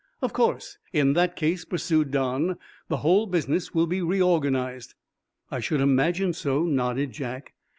"Of course, in that case," pursued Don, "the whole business will be reorganized." "I should imagine so," nodded Jack.